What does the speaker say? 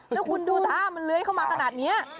แล้วคุณดูท่ามันเลื้อยเข้ามาขนาดนี้